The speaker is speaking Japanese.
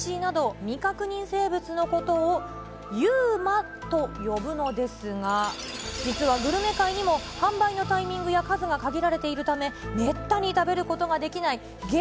そもそもイエティやネッシーなど、未確認生物のことをＵＭＡと呼ぶのですが、実はグルメ界にも販売のタイミングや数が限られているため、めったに食べることができない激